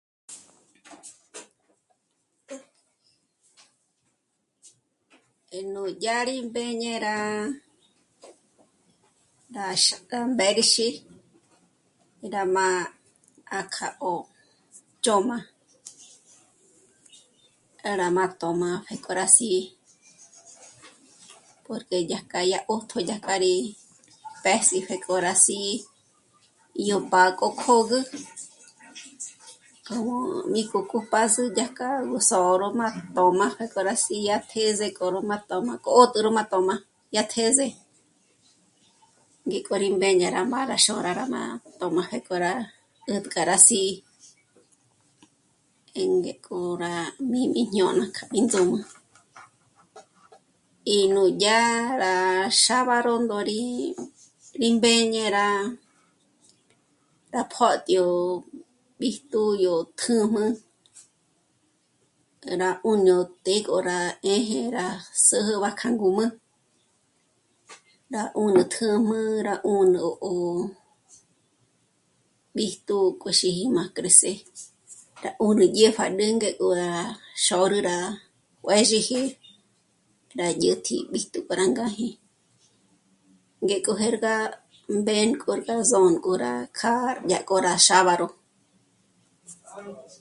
Nú yá rí mbéñe rá... x... rá mbérexi, rá má 'ákja'ö ch'ö̌m'a k'a rá má tö̌m'a pjék'o rá sí'i porque dyajk'a yó 'ö́jtjo ya k'a rí p'es'i pjéko rá sí'i yó mbák'o k'ö́gü ngü mí k'o ocupágozü yájk'a gú zö̂rö má tö̌m'a pjéko rá sídyá tés'e k'o ró má tö̌m'a k'o... k'o tó ró má tö̌m'a yá téndze. Ngéko rí mbéña má rá xôra rá má tö̌m'a pjéko rá 'ä̀tk'a rá sí'i, 'éngé k'o rá míjmi jñôna kja índzǔm'ü. Y nú yá xábaro ndó rí... rí mbéñe rá pö́'tyó yó b'íjtu k'o tùjm'u rá 'ù'u nó té k'o rá 'éje ná jóra zü'ü bá kja ngǔm'ü, rá 'ùnï tújmu, rá 'ùnü nó b'íjtu k'o xíji má cres'é rá 'ùru ndzhépjâdül ngó rá xôrü rá juë̌zhiji rá dyä̀tji b'íjtu para ngáji, ngéko jérga mbénko rá ndzônk'o rá kjâ'a yá k'o rá xábaro